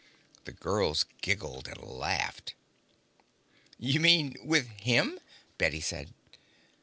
The girls giggled and laughed. "You mean with him?" Bette said.